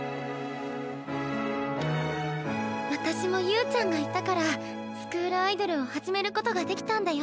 私も侑ちゃんがいたからスクールアイドルを始めることができたんだよ。